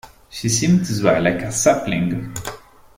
She seemed to sway like a sapling.